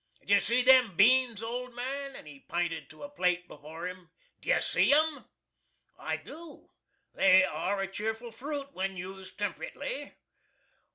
"Do you see them beans, old man?" and he pinted to a plate before him. "Do you see 'em?" "I do. They are a cheerful fruit when used tempritly."